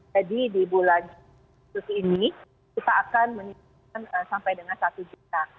jadi di bulan ini kita akan menyimpulkan sampai dengan satu juta